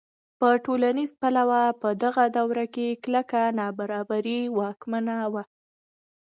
په ټولنیز پلوه په دغه دوره کې کلکه نابرابري واکمنه وه.